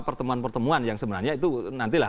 pertemuan pertemuan yang sebenarnya itu nantilah